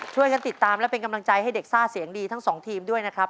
ช่วยกันติดตามและเป็นกำลังใจให้เด็กซ่าเสียงดีทั้งสองทีมด้วยนะครับ